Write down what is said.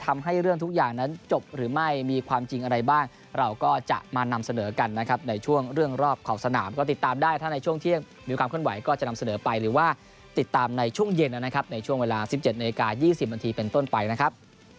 มีความจริงอะไรบ้างเราก็จะมานำเสนอกันนะครับในช่วงเรื่องรอบเขาสนามก็ติดตามได้ถ้าในช่วงเที่ยงมีความขึ้นไหวก็จะนำเสนอไปหรือว่าติดตามในช่วงเย็นนะครับในช่วงเวลา๑๗น๒๐นเป็นต้นไปนะครับ